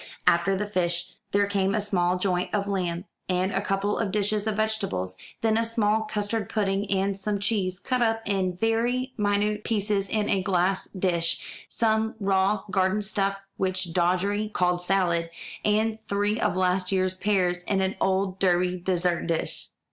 After the fish there came a small joint of lamb, and a couple of dishes of vegetables; then a small custard pudding, and some cheese cut up in very minute pieces in a glass dish, some raw garden stuff which Doddery called salad, and three of last year's pears in an old Derby dessert dish.